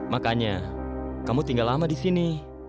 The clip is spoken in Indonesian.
makanya kamu tinggal lama di sini